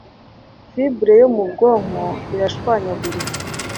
Fibure yo mu bwonko irashwanyagurika.